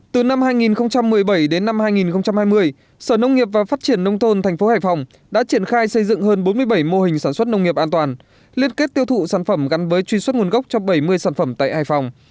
từ năm hai nghìn một mươi bảy đến năm hai nghìn hai mươi sở nông nghiệp và phát triển nông thôn thành phố hải phòng đã triển khai xây dựng hơn bốn mươi bảy mô hình sản xuất nông nghiệp an toàn liên kết tiêu thụ sản phẩm gắn với truy xuất nguồn gốc cho bảy mươi sản phẩm tại hải phòng